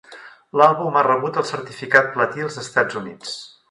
L'àlbum ha rebut el certificat platí als Estats Units.